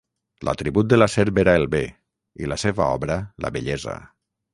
L'atribut de la serp era el bé, i la seva obra la bellesa.